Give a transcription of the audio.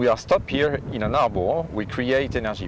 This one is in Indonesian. ketika kita berhenti di dalam kapal kita membuat energi